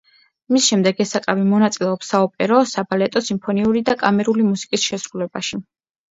მის შემდეგ ეს საკრავი მონაწილეობს საოპერო, საბალეტო, სიმფონიური და კამერული მუსიკის შესრულებაში.